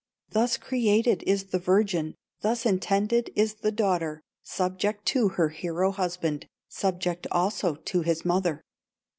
Thus created is the virgin, Thus intended is the daughter, Subject to her hero husband, Subject also to his mother.